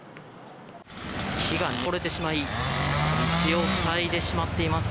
木が折れてしまい道を塞いでしまっています。